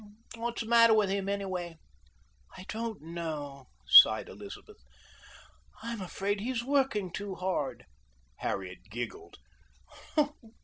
What's the matter with him anyway?" "I don't know," sighed Elizabeth. "I'm afraid he's working too hard." Harriet giggled.